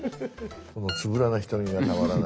このつぶらな瞳がたまらない。